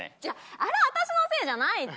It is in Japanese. あれ私のせいじゃないって。